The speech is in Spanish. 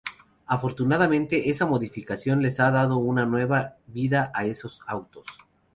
Afortunadamente esa modificación les ha dado una nueva vida a esos autos.